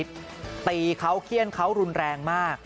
ตีเขาเขี้ยนเขารุนแรงมาก